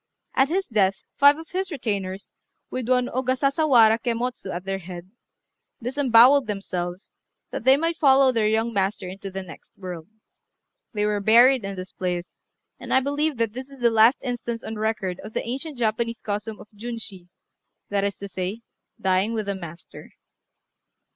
At his death, five of his retainers, with one Ogasasawara Kemmotsu at their head, disembowelled themselves, that they might follow their young master into the next world. They were buried in this place; and I believe that this is the last instance on record of the ancient Japanese custom of Junshi, that is to say, "dying with the master."